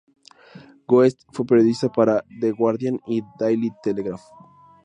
Guest fue periodista para "The Guardian" y "The Daily Telegraph".